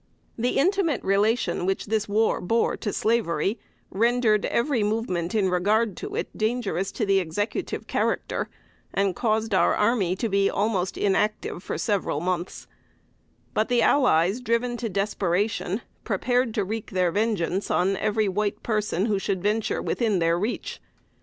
The intimate relation which this war bore to slavery, rendered every movement in regard to it dangerous to the Executive character, and caused our army to be almost inactive for several months; but the allies, driven to desperation, prepared to wreak their vengeance on every white person who should venture within their reach.